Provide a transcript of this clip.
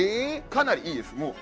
かなりいいですもう。